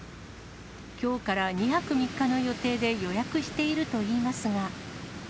きょうから２泊３日の予定で予約しているといいますが。